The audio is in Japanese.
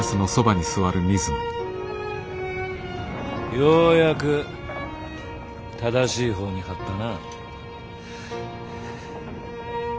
ようやく正しい方に張ったな。